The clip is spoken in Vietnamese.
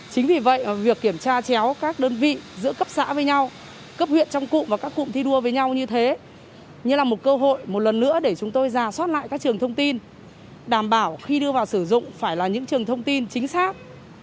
chính vì vậy việc kiểm tra chéo các đơn vị giữa cấp xã với nhau cấp huyện trong cụm và các cụm thi đua với nhau như thế như là một cơ hội một lần nữa để chúng tôi giả soát lại các trường thông tin đảm bảo khi đưa vào sử dụng phải là những trường thông tin chính xác